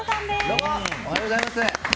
どうも、おはようございます。